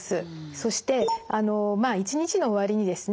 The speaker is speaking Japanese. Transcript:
そしてまあ一日の終わりにですね